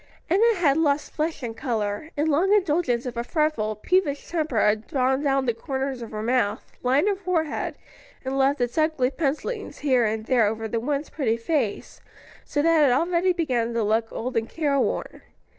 Enna had lost flesh and color; and long indulgence of a fretful, peevish temper had drawn down the corners of her mouth, lined her forehead, and left its ugly pencilings here and there over the once pretty face, so that it already began to look old and care worn.